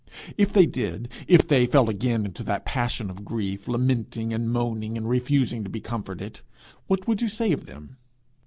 If they did, if they fell again into that passion of grief, lamenting and moaning and refusing to be comforted, what would you say of them?